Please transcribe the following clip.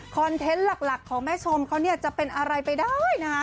เทนต์หลักของแม่ชมเขาเนี่ยจะเป็นอะไรไปได้นะคะ